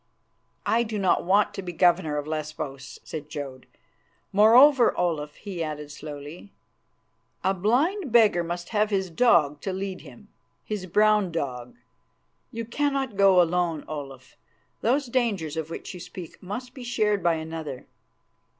"I do not want to be Governor of Lesbos," said Jodd. "Moreover, Olaf," he added slowly, "a blind beggar must have his dog to lead him, his brown dog. You cannot go alone, Olaf. Those dangers of which you speak must be shared by another."